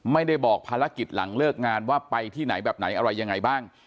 ไม่ได้บอกภารกิจหลังเลิกงานว่าไปที่ไหนแบบไหนอะไรยังไงบ้าง